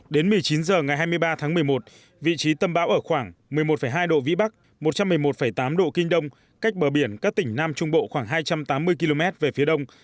đến một mươi chín h ngày hai mươi ba tháng một mươi một vị trí tâm bão ở khoảng một mươi một hai độ vĩ bắc một trăm một mươi một tám độ kinh đông cách bờ biển các tỉnh nam trung bộ khoảng hai trăm tám mươi km về phía đông